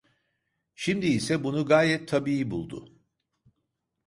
Şimdi ise bunu gayet tabii buldu.